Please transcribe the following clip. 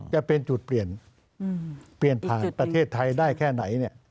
จะเป็นจุดเปลี่ยนเปลี่ยนผ่านประเทศไทยได้แค่ไหน